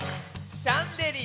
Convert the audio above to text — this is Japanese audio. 「シャンデリア」